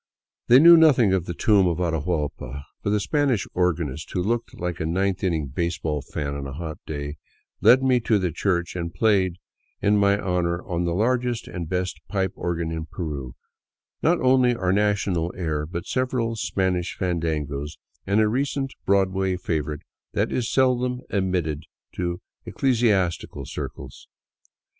They knew nothing of the tomb of Atahuallpa, but the Spanish organist, who looked like a ninth inning baseball fan " on a hot day, led me to the church and played in my honor on " the largest and best pipe organ in Peru " not only our national air, but several Spanish fandangos and a recent Broadway favorite that is seldom admitted to ecclesiastical circles.